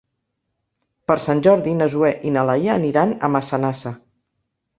Per Sant Jordi na Zoè i na Laia aniran a Massanassa.